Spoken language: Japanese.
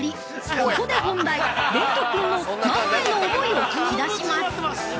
ここで本題、蓮人君のママへの思いを聞き出します。